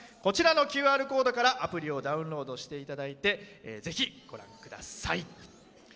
ＱＲコードからアプリをダウンロードしていただいてぜひご覧ください。